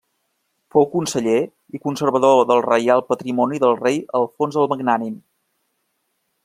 Fou conseller i conservador del Reial Patrimoni del rei Alfons el Magnànim.